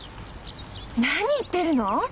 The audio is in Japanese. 何言ってるの？